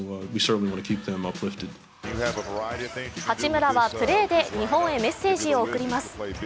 八村はプレーで日本へメッセージを送ります。